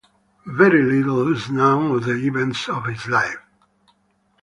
Very little is known of the events of his life.